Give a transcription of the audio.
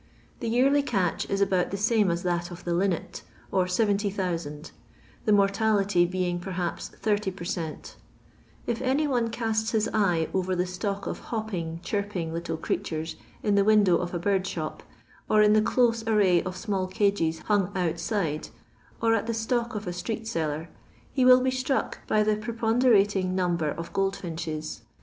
The yearly catch is about the same as that of the linnet, or 70,000, the mortality being perhaps 80 per cent If any one casts his eye over the stock of hopping, chirping little creatures in the window of a bird shop, or in the close array of small cages hung outside, or at the stock of a street seller, he will be struck by the preponderating number of goldfinches.